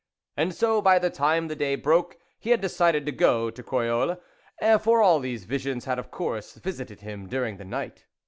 And so, by the time the day broke, he had decided to go to Croyolles, for all these visions had of course visited him during the night.